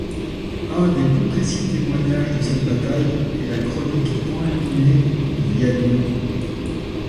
Un des plus précis témoignages de cette bataille est la Chronique enluminée de Vienne.